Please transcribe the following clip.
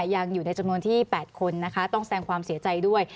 ยังอยู่ในจำนวนที่๘คนนะคะต้องแสงความเสียใจด้วย